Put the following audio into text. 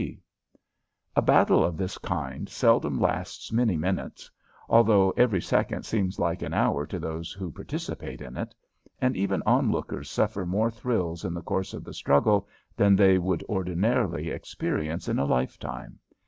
F. C. A battle of this kind seldom lasts many minutes, although every second seems like an hour to those who participate in it and even onlookers suffer more thrills in the course of the struggle than they would ordinarily experience in a lifetime.